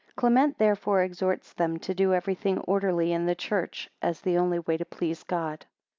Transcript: Clement therefore exhorts them to do everything orderly in the Church, as the only way to please God.